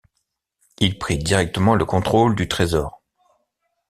Il prit directement le contrôle du Trésor.